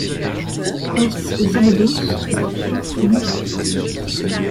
Szabados était fort et musclé.